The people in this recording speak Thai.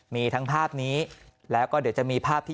มีทั้งภาพนี้แล้วก็เดี๋ยวจะมีภาพที่